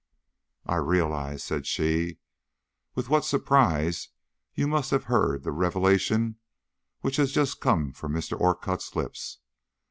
"I realize," said she, "with what surprise you must have heard the revelation which has just come from Mr. Orcutt's lips.